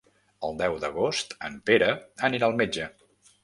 El deu d'agost en Pere anirà al metge.